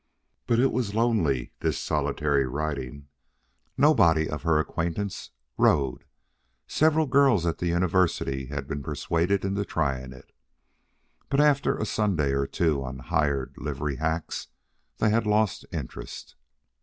But it was lonely, this solitary riding. Nobody of her acquaintance rode. Several girls at the University had been persuaded into trying it, but after a Sunday or two on hired livery hacks they had lost interest.